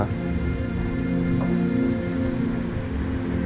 saya yang ada disitu